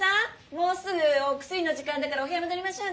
もうすぐお薬の時間だからお部屋戻りましょうね。